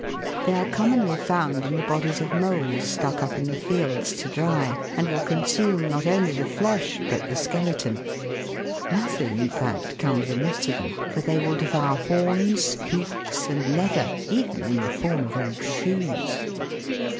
They are commonly found in the bodies of moles stuck up in the fields to dry, and will consume not only the flesh but the skeleton ; nothing, in fact, comes amiss to them, for they will devour horns, hoofs, and leather, even in the form of old shoes.